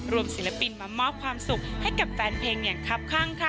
ศิลปินมามอบความสุขให้กับแฟนเพลงอย่างคับข้างค่ะ